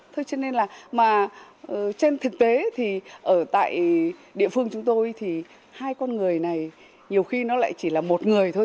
thế cho nên là mà trên thực tế thì ở tại địa phương chúng tôi thì hai con người này nhiều khi nó lại chỉ là một người thôi